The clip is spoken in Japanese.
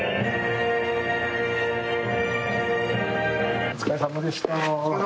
・お疲れさまでした。